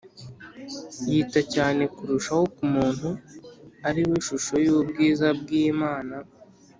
yita cyane kurushaho ku muntu, ari we shusho y’ubwiza bw’imana